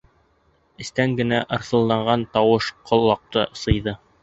Эстән генә арҫылдаған тауыш ҡолаҡты сыйҙы.